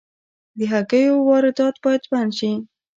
د هګیو واردات باید بند شي